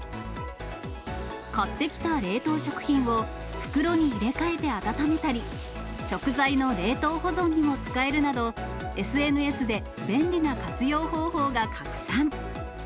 買ってきた冷凍食品を、袋に入れ替えて温めたり、食材の冷凍保存にも使えるなど、ＳＮＳで便利な活用方法が拡散。